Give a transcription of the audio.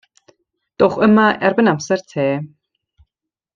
Dowch yma erbyn amser te.